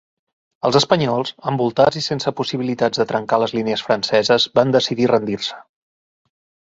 Els espanyols, envoltats i sense possibilitats de trencar les línies franceses van decidir rendir-se.